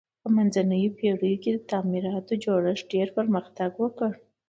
په منځنیو پیړیو کې د تعمیراتو جوړښت ډیر پرمختګ وکړ.